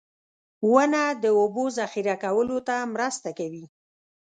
• ونه د اوبو ذخېره کولو ته مرسته کوي.